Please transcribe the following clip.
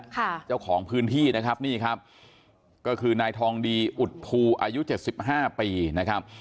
เจ้าของพื้นที่นะครับนี่ครับก็คือนายทองดีอุดภูอายุเจ็ดสิบห้าปีนะครับ